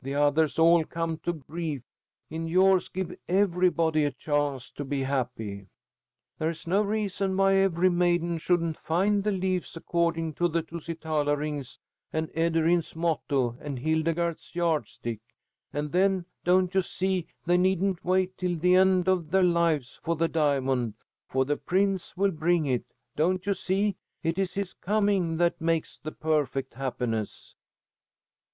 The others all come to grief. In yours give everybody a chance to be happy. "There is no reason why every maiden shouldn't find the leaves according to the Tusitala rings and Ederyn's motto and Hildegarde's yardstick. And then, don't you see, they needn't wait till the end of their lives for the diamond, for the prince will bring it! Don't you see? It is his coming that makes the perfect happiness!"